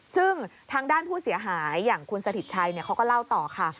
ซึ่งทางด้านผู้เสียหายอย่างคุณสถิตชัยเขาก็เล่าต่อค่ะ